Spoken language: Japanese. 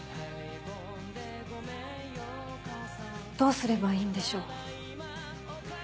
どうすればいいんでしょう。